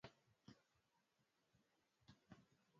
Mwaka wa elfu moja mia tisa tisini na nane